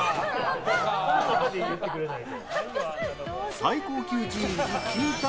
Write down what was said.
最高級ジーンズ金丹。